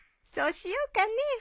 そうしようかね。